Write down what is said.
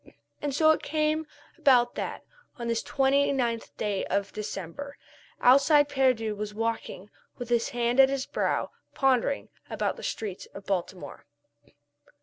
And so it came about that on this 29th day of December, Alcide Pierdeux was walking with his hand at his brow, pondering, about the streets of Baltimore.